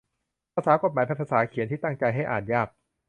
ภาษากฎหมาย เป็นภาษาเขียนที่ตั้งใจให้อ่านยาก